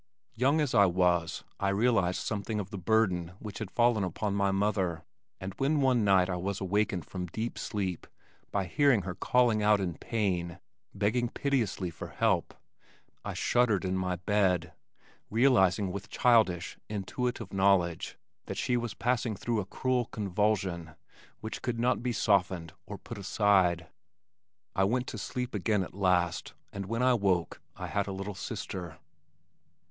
Young as I was I realized something of the burden which had fallen upon my mother, and when one night I was awakened from deep sleep by hearing her calling out in pain, begging piteously for help, I shuddered in my bed, realizing with childish, intuitive knowledge that she was passing through a cruel convulsion which could not be softened or put aside. I went to sleep again at last, and when I woke, I had a little sister.